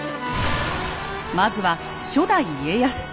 まずは初代家康。